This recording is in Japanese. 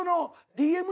ＤＭ。